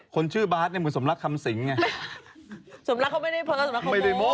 คนชื่อบ๊าสเนี่ยมันสมรักคำสิงไงสมรักเขาไม่ได้เพราะว่าสมรักเขาโม้